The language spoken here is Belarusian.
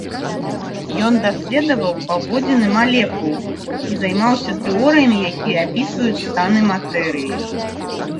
Ён даследаваў паводзіны малекул і займаўся тэорыямі, якія апісваюць станы матэрыі.